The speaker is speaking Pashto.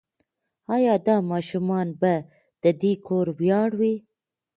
ایا دا ماشوم به د دې کور ویاړ وي؟